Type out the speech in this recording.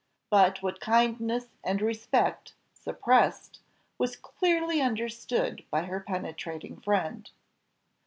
But what kindness and respect suppressed was clearly understood by her penetrating friend.